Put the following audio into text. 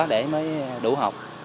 để mới đủ học